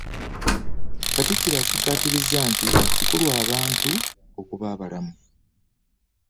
Katikkiro akikkaatirizza nti kikulu abantu okuba abalamu